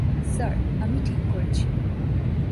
Sir, আমি ঠিক করেছি।